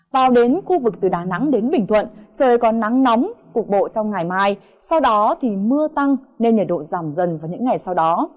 vào đến khu vực từ đà nẵng đến bình thuận trời còn nắng nóng cục bộ trong ngày mai sau đó thì mưa tăng nên nhiệt độ giảm dần vào những ngày sau đó